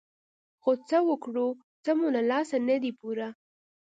خو څه وکړو څه مو له لاسه نه دي پوره.